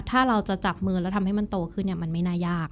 ถ้าเราจะจับมือแล้วทำให้มันโตขึ้นมันไม่น่ายาก